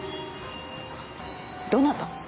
どなた？